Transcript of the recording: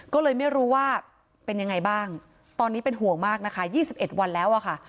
ก็เลยไม่รู้ว่าเป็นยังไงบ้างตอนนี้เป็นห่วงมากนะคะ๒๑วันแล้วอะค่ะ